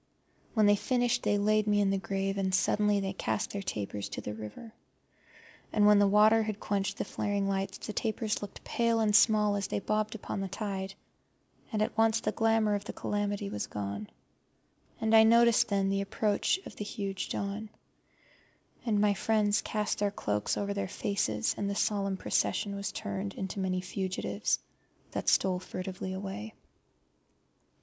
When they had finished they laid me in the grave, and suddenly they cast their tapers to the river. And when the water had quenched the flaring lights the tapers looked pale and small as they bobbed upon the tide, and at once the glamour of the calamity was gone, and I noticed then the approach of the huge dawn; and my friends cast their cloaks over their faces, and the solemn procession was turned into many fugitives that furtively stole away.